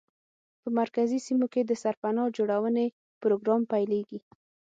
په مرکزي سیمو کې د سرپناه جوړونې پروګرام پیلېږي.